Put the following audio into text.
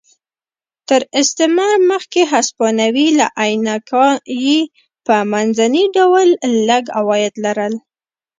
تر استعمار مخکې هسپانوي له اینکایي په منځني ډول لږ عواید لرل.